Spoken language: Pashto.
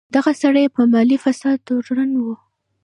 دغه سړی په مالي فساد تورن و.